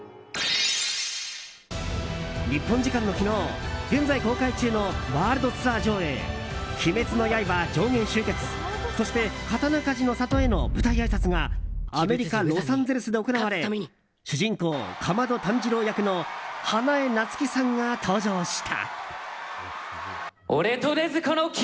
日本時間の昨日現在、公開中のワールドツアー上映「鬼滅の刃“上弦集結、そして刀鍛冶の里へ”」の舞台挨拶がアメリカ・ロサンゼルスで行われ主人公・竈門炭治郎役の花江夏樹さんが登場した。